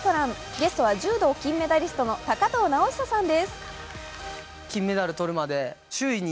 ゲストは柔道金メダリストの高藤直寿さんです。